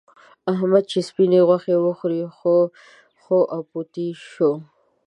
احمد چې سپينې غوښې وخوړې؛ خواپوتی شو.